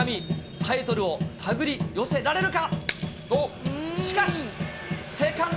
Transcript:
タイトルを手繰り寄せられるか。